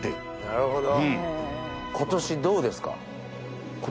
なるほど。